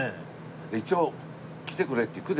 で一応「来てくれ」って行くでしょ？